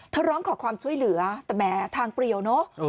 ร้องขอความช่วยเหลือแต่แหมทางเปรียวเนอะ